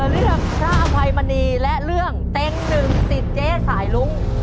เรื่องภาพัยมณีและเรื่องเต้งหนึ่งสิทธิ์เจ๊สายรุ้ง